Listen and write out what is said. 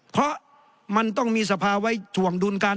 เพราะมันต้องมีสภาไว้ถ่วงดุลกัน